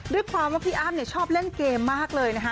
ด้วยความว่าพี่อ้ำชอบเล่นเกมมากเลยนะคะ